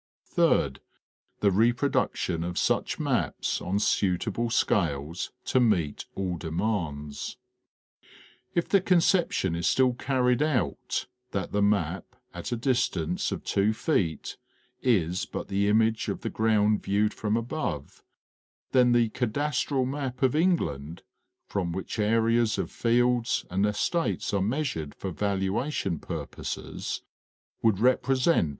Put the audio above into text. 3d. The reproduction of such maps on suitable scales to meet all demands. If the conception is still carried out that the map, at a distance of two feet, is but the image of the ground viewed from above, then the cadastral map of England, from which areas of fields and estates are measured for valuation purposes, would represent The Ordnance Survey of Great Britain.